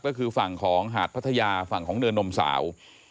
ก็คือฝั่งของหาดพัทยาฝั่งของเนินนมสาว